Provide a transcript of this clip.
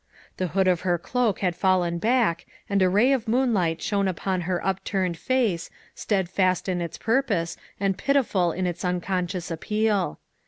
The hood of her cloak had fallen back and a ray of moonlight shone upon her upturned face, steadfast in its purpose and pitiful in its unconscious appeal.